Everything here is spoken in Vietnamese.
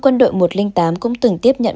quân đội một trăm linh tám cũng từng tiếp nhận